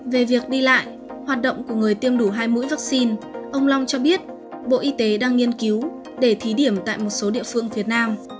về việc đi lại hoạt động của người tiêm đủ hai mũi vaccine ông long cho biết bộ y tế đang nghiên cứu để thí điểm tại một số địa phương việt nam